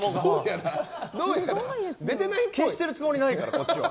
消してるつもりないからこっちは。